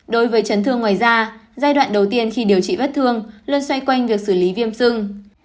đối với chấn thương ngoài da giai đoạn đầu tiên khi điều trị vết thương luôn xoay quanh việc xử lý viêm xương